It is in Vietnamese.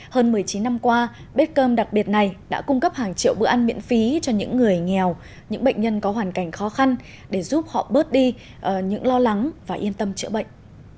hơn một mươi chín năm qua bếp cơm đặc biệt này đã cung cấp hàng triệu bữa ăn miễn phí cho những người nghèo những bệnh nhân có hoàn cảnh khó khăn để giúp họ bớt đi những lo lắng và yên tâm chữa bệnh